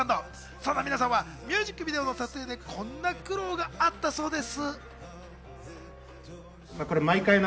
そんな皆さんはミュージックビデオの撮影でこんな苦労があったそうです。